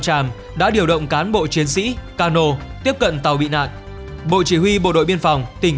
tràm đã điều động cán bộ chiến sĩ cano tiếp cận tàu bị nạn bộ chỉ huy bộ đội biên phòng tỉnh